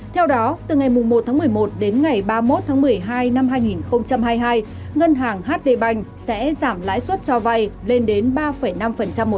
theo đó từ ngày một một mươi một đến ngày ba mươi một một mươi hai hai nghìn hai mươi hai ngân hàng hd banh sẽ giảm lãi suất cho vay lên đến ba năm một năm